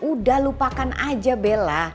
udah lupakan aja bella